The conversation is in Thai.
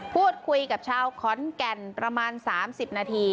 พูดคุยกับชาวขอนแก่นประมาณ๓๐นาที